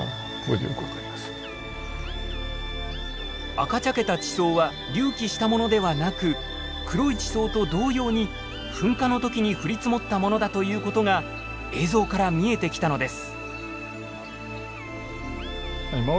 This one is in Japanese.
赤茶けた地層は隆起したものではなく黒い地層と同様に噴火の時に降り積もったものだということが映像から見えてきたのです。